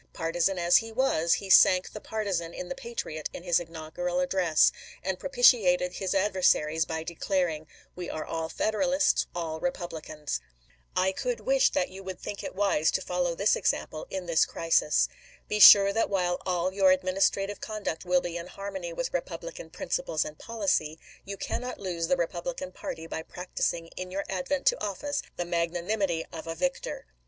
Partisan as he was, he sank the partisan in the patriot in his inaugural address, and propitiated his adversaries by declaring :" We are all Federalists, all Republicans." I could wish that you would think it wise to follow this example in this crisis. Be sure that while all your administrative conduct will be in harmony with Repub lican principles and policy, you cannot lose the Repub lican party by practicing in your advent to office the magnanimity of a victor.